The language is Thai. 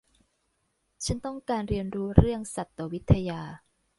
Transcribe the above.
ฉันต้องการเรียนรู้เรื่องสัตววิทยา